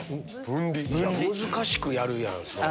難しくやるやん。